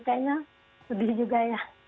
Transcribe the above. kayaknya sedih juga ya